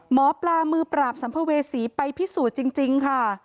หมอปลามือปราบสัมภเวษีไปพิสูจน์จริงค่ะ